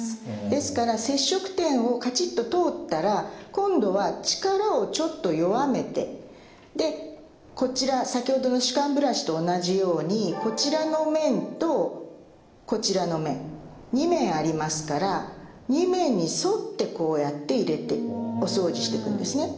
ですから接触点をカチッと通ったら今度は力をちょっと弱めてでこちら先ほどの歯間ブラシと同じようにこちらの面とこちらの面２面ありますから２面に沿ってこうやって入れてお掃除してくんですね。